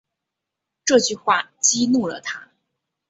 这句话激怒了他